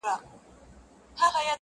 • په واشنګټن کي ,